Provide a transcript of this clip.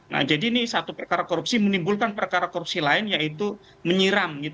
nah jadi ini satu perkara korupsi menimbulkan perkara korupsi lain yaitu menyiram